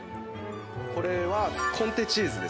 これはコンテチーズです。